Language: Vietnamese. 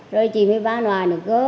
rồi chị mới bán ngoài nữa